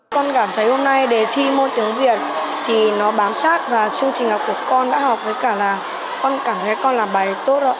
con cảm thấy hôm nay đề thi môn tiếng việt thì nó bám sát và chương trình học của con đã học với cả là con cảm thấy con làm bài tốt rồi